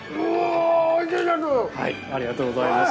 ありがとうございます。